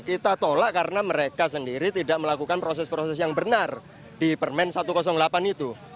kita tolak karena mereka sendiri tidak melakukan proses proses yang benar di permen satu ratus delapan itu